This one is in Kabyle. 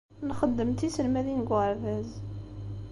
Nxeddem d tiselmadin deg uɣerbaz.